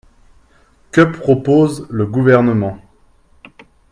Que propose le Gouvernement?